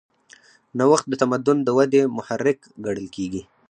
نوښت د تمدن د ودې محرک ګڼل کېږي.